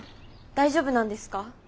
大丈夫なんですか？